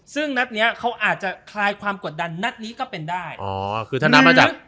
ซึ่งนัดเนี้ยเขาอาจจะคลายความกดดันนัดนี้ก็เป็นได้อ๋อคือถ้านับมาจาก